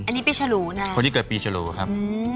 อันนี้ปีฉลูนะคนที่เกิดปีฉลูครับ